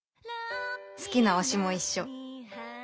好きな推しも一緒。